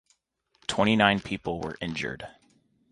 Twenty-nine people were injured.